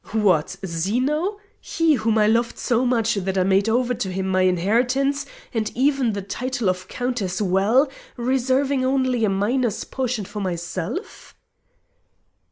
"What! Zeno? he whom I loved so much that I made over to him my inheritance and even the title of Count as well, reserving only a minor's portion for myself?"